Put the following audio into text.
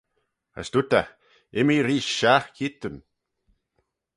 As dooyrt eh, immee reesht shiaght keayrtyn.